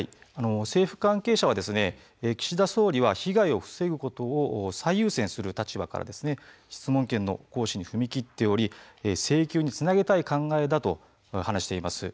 政府関係者は岸田総理は被害を防ぐことを最優先する立場から質問権の行使に踏み切っており請求につなげたい考えだと話しています。